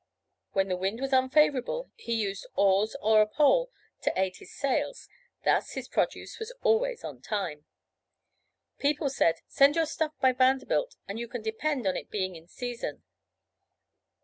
When the wind was unfavorable he used oars or a pole to aid his sails, thus, his produce was always on time. People said, "Send your stuff by Vanderbilt and you can depend on its being in season."